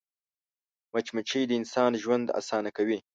مچمچۍ د انسان ژوند اسانه کوي